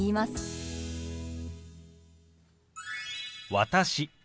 「私」